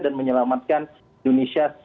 dan menyelamatkan indonesia